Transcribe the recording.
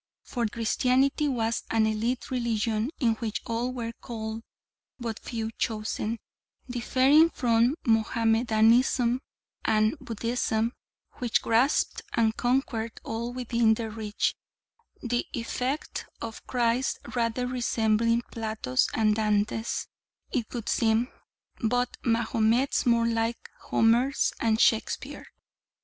For Christianity was an élite religion, in which all were called, but few chosen, differing from Mohammedanism and Buddhism, which grasped and conquered all within their reach: the effect of Christ rather resembling Plato's and Dante's, it would seem: but Mahomet's more like Homer's and Shakespeare's.